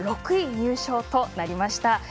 ６位入賞となりました。